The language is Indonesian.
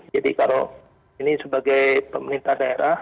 jadi kalau ini sebagai pemerintah daerah